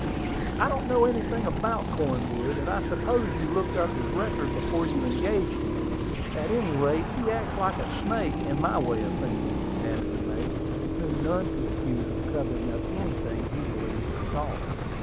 "I don't know anything about Cornwood; and I suppose you looked up his record before you engaged him. At any rate, he acts like a snake, in my way of thinking," added the mate, whom none could accuse of covering up anything he believed or thought.